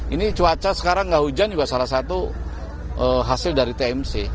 ini cuaca sekarang nggak hujan juga salah satu hasil dari tmc